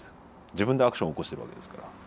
自分でアクション起こしてるわけですから。